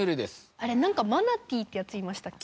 あれ何かマナティーってやついましたっけ？